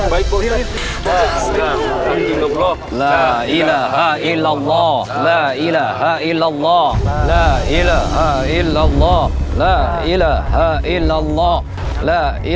bisa bikin baik baik